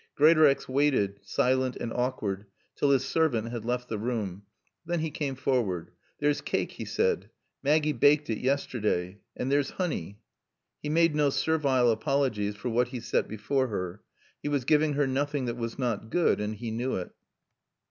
Greatorex waited, silent and awkward, till his servant had left the room. Then he came forward. "Theer's caake," he said. "Maaggie baaked un yesterda'. An' theer's hooney." He made no servile apologies for what he set before her. He was giving her nothing that was not good, and he knew it.